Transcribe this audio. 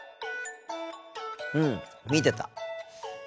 うん見てた。